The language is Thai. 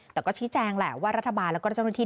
แต่ก็ชี้แจงแหละว่ารัฐบาลแล้วก็เจ้าหน้าที่